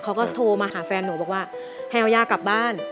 เขาก็โทรมาหาแฟนหนูบอกว่าให้เอาย่ากลับบ้าน